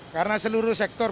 karena seluruh sektor